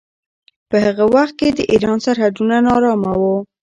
په هغه وخت کې د ایران سرحدونه ناارامه وو.